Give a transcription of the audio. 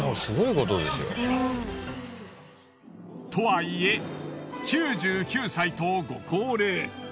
とはいえ９９歳とご高齢。